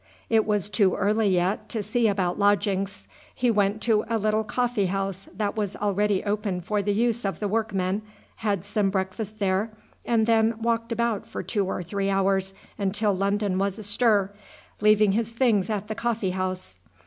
It was too early yet to see about lodgings. He went to a little coffee house that was already open for the use of the workmen, had some breakfast there, and then walked about for two or three hours until London was astir, leaving his things at the coffee house.